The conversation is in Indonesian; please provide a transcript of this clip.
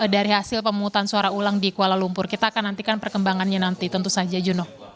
dari hasil pemungutan suara ulang di kuala lumpur kita akan nantikan perkembangannya nanti tentu saja juno